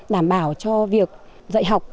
đảm bảo cho việc dạy học